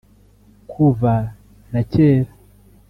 Kuva na kera